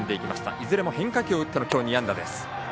いずれも変化球を打っての今日、２安打。